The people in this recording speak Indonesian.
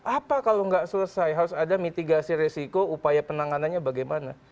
apa kalau nggak selesai harus ada mitigasi resiko upaya penanganannya bagaimana